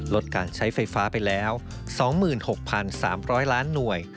ลดการใช้ไฟฟ้าไปแล้ว๒๖๓๐๐ล้านหน่วย